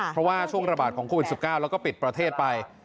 เพราะว่าช่วงระบาดของโควิด๑๙แล้วก็ปิดประเทศไป